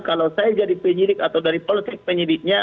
kalau saya jadi penyelidik atau dari politik penyelidiknya